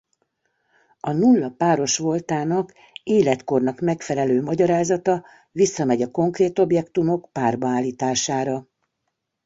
A nulla páros voltának életkornak megfelelő magyarázata visszamegy a konkrét objektumok párba állítására.